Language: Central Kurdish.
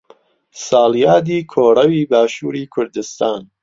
ساڵیادی کۆڕەوی باشووری کوردستان